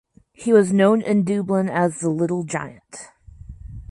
He was known in Dublin as the "little giant".